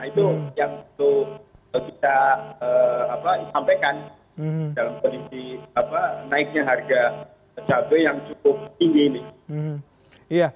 itu yang kita sampaikan dalam kondisi naiknya harga pecah pecah yang cukup tinggi